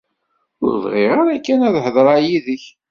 Ur bɣiɣ ara kan ad hedreɣ yid-k.